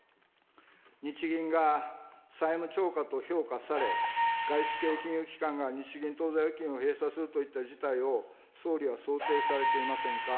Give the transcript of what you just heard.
日銀が債務超過と評価され、外資系金融機関が日銀当座預金を閉鎖するといった事態を総理は想定されていませんか。